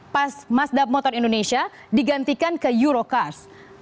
pas mazdab motor indonesia digantikan ke eurocars